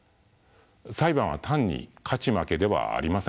裁判は単に勝ち負けではありません。